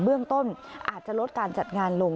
เบื้องต้นอาจจะลดการจัดงานลง